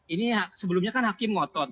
ini sebelumnya kan hakim ngotot